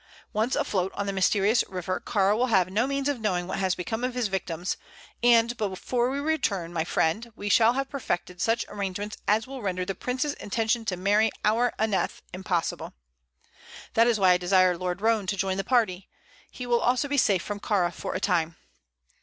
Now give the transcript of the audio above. Once afloat on the mysterious river, Kāra will have no means of knowing what has become of his victims, and before we return, my friend, we shall have perfected such arrangements as will render the prince's intention to marry our Aneth impossible. That is why I desire Lord Roane to join the party. He also will be safe from Kāra for a time."